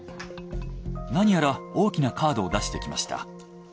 何やら大きなカードを出してきました。